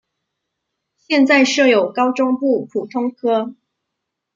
现在设有高中部普通科。